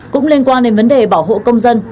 cũng liên quan đến vấn đề bảo hộ công dân